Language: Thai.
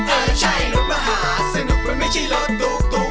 เออใช่รถมหาสนุกมันไม่ใช่รถตุ๊ก